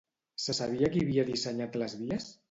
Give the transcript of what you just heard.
Se sabia qui havia dissenyat les vies?